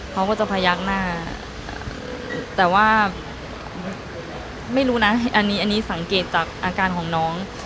เขาก็จะพยักหน้าแต่ว่าไม่รู้นะอันนี้อันนี้สังเกตจากอาการของน้อง